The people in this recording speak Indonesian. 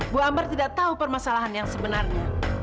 bu amber tidak tahu permasalahan yang sebenarnya